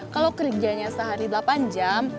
kalau kerjanya sehari delapan jam